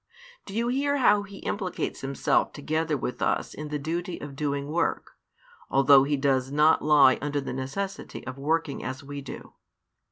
Do you hear how He implicates Himself together with us in the duty of doing work, although He |362 does not lie under the necessity of working as we do?